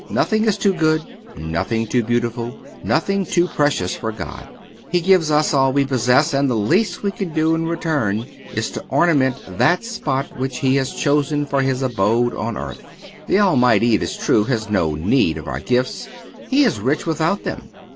Nothing is too good, nothing too beautiful, nothing too precious for God. He gives us all we possess, and the least we can do in return is to ornament that spot which He has chosen for His abode upon earth. The Almighty, it is true, has no need of our gifts. He is rich without them.